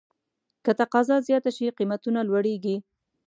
که تقاضا زیاته شي، قیمتونه لوړېږي.